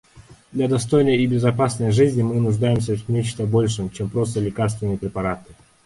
Для достойной и безопасной жизни мы нуждаемся в нечто большем, чем просто лекарственные препараты.